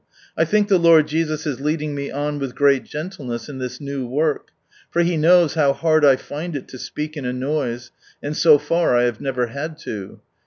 I think the Lord Jesus is leading me on with great gentleness in this new work, for He knows how hard I find it to speak in a noise, and so far I have never had to.